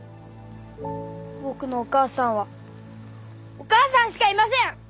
僕のお母さんはお母さんしかいません。